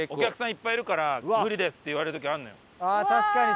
いっぱいいるから無理ですって言われる時あるのよ。